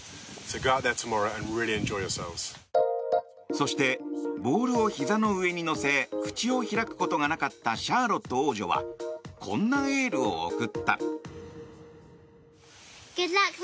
そしてボールをひざの上に乗せ口を開くことがなかったシャーロット王女はこんなエールを送った。